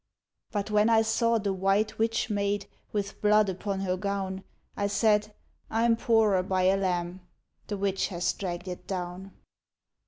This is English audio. But when I saw the white witch maid With blood upon her gown, I said, ' I 'm poorer by a lamb ; The witch has dragged it down.'